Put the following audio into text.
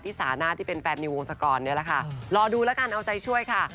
สาน่าที่เป็นแฟนในวงศกรเนี่ยแหละค่ะรอดูแล้วกันเอาใจช่วยค่ะ